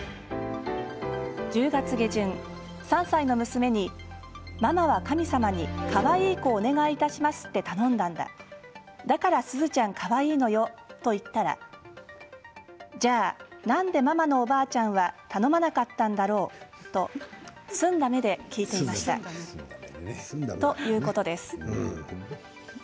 １０月下旬、３歳の娘にママは神様に、かわいい子をお願いいたしますって頼んだんだだから、すずちゃんかわいいのよと言ったらじゃあなんでママのおばあちゃんは頼まなかったんだろうと澄んだ目で聞いていましたということです。